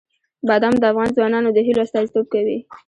بادام د افغان ځوانانو د هیلو استازیتوب کوي.